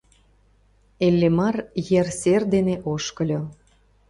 Иллимар ер сер дене ошкыльо.